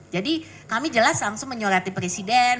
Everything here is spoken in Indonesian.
jadi kami jelas langsung menyurati presiden